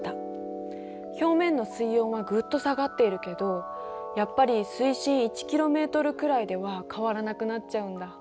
表面の水温はぐっと下がっているけどやっぱり水深１ｋｍくらいでは変わらなくなっちゃうんだ。